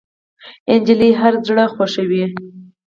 نجلۍ هر زړه خوښوي.